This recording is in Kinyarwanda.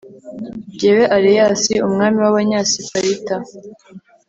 jyewe areyasi, umwami w'abanyasiparita